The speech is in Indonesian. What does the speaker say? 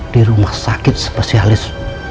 di rumah sakit spesialis